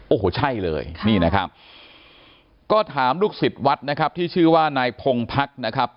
โอ้โหใช่เลยนี่นะครับก็ถามลูกศิษย์วัดนะครับที่ชื่อว่านายพงพักนะครับ